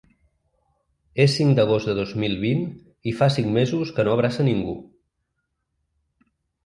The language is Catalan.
És cinc d’agost de dos mil vint i fa cinc mesos que no abraça ningú.